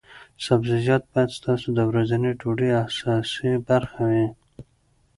سبزیجات باید ستاسو د ورځنۍ ډوډۍ اساسي برخه وي.